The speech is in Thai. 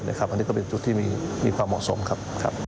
อันนี้ก็เป็นจุดที่มีความเหมาะสมครับ